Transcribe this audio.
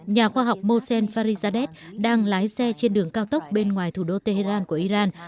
nhà khoa học mosel farizadeh đang lái xe trên đường cao tốc bên ngoài thủ đô tehran của iran